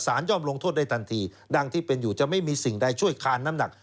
ย่อมลงโทษได้ทันทีดังที่เป็นอยู่จะไม่มีสิ่งใดช่วยคานน้ำหนัก